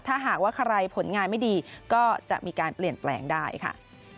ถ้าหากว่าใครผลงานไม่ดีก็จะมีการเปลี่ยนแปลงได้ค่ะ